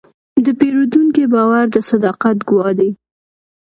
د پیرودونکي باور د صداقت ګواه دی.